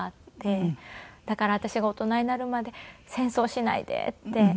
だから私が大人になるまで戦争しないでって。